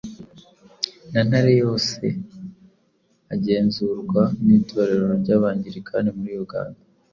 na Ntare yose agenzurwa n’Itorero ry’Abangilikani muri Uganda.